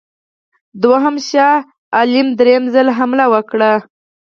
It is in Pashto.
دوهم شاه عالم درېم ځل حمله وکړه.